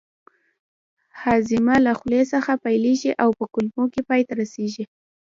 هاضمه له خولې څخه پیلیږي او په کولمو کې پای ته رسیږي